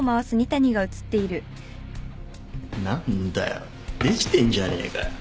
何だよできてんじゃねえかよ。